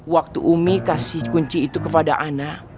waktu umi kasih kunci itu kepada ana